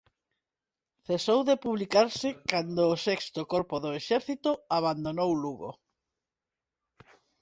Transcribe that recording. Cesou de publicarse cando o sexto corpo do exército abandonou Lugo.